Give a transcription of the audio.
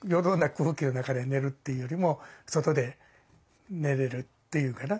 空気の中で寝るっていうよりも外で寝れるっていうんかな